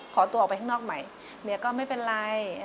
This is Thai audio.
ขอตัวออกไปข้างนอกใหม่เมียก็ไม่เป็นไร